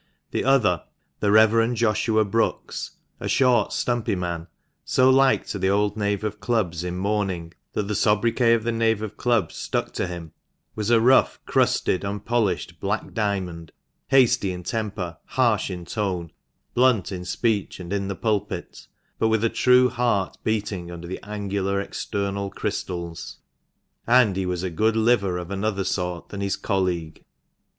The other, the Reverend Joshua Brookes, a short, stumpy man (so like to the old knave of clubs in mourning that the sobriquet of the " Knave of Clubs " stuck to him), was a rough, crusted, unpolished black diamond, hasty in temper, harsh in tone, blunt in speech and in the pulpit, but with a true heart beating under the angular external crystals ; and he was a good liver of another sort than his colleague.